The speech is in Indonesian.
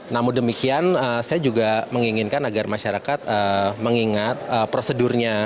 namun demikian saya juga menginginkan agar masyarakat mengingat prosedurnya